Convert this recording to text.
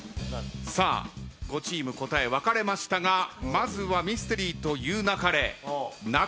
５チーム答え分かれましたがまずはミステリと言う勿れ。